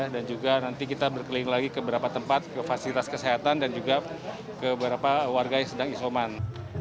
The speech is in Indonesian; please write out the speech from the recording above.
dan juga nanti kita berkeliling lagi ke beberapa tempat ke fasilitas kesehatan dan juga ke beberapa warga yang sedang isoman